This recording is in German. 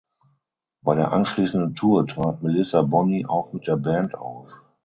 Bei der anschließenden Tour trat Melissa Bonny auch mit der Band auf.